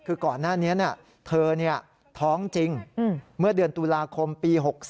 คือก่อนหน้านี้เธอท้องจริงเมื่อเดือนตุลาคมปี๖๓